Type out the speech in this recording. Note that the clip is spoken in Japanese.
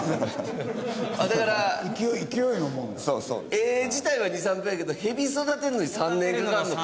絵自体は２３分やけどヘビ育てるのに３年かかるのか。